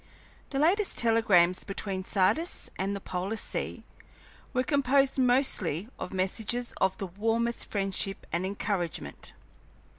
The latest telegrams between Sardis and the polar sea were composed mostly of messages of the warmest friendship and encouragement.